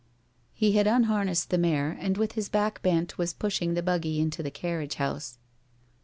He had unharnessed the mare, and with his back bent was pushing the buggy into the carriage house.